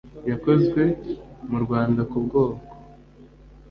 yakozwe mu rwanda ku bwoko